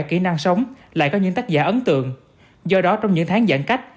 kỹ năng sống lại có những tác giả ấn tượng do đó trong những tháng giãn cách